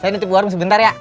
saya nutip luwarf sebentar ya